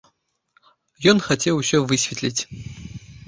Ён хацеў усё высветліць.